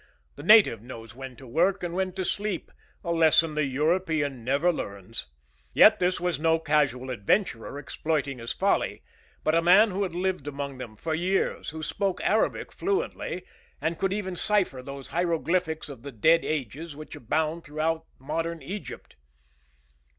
The native knows when to work and when to sleep a lesson the European never learns. Yet this was no casual adventurer exploiting his folly, but a man who had lived among them for years, who spoke Arabic fluently and could even cipher those hieroglyphics of the dead ages which abound throughout modern Egypt.